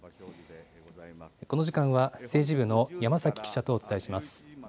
この時間は政治部の山崎記者とお伝えします。